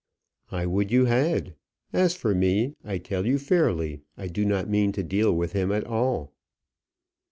"I would you had; as for me, I tell you fairly, I do not mean to deal with him at all."